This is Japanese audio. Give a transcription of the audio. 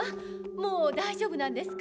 もう大丈夫なんですか？